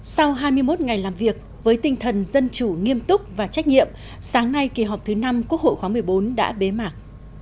sau hai mươi một ngày làm việc với tinh thần dân chủ nghiêm túc và trách nhiệm sáng nay kỳ họp thứ năm quốc hội khóa một mươi bốn đã bế mạc